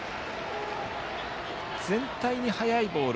全体に速いボール。